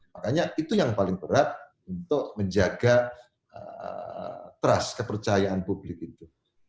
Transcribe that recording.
makanya itu yang paling berat untuk menjaga trust kepercayaan publik itu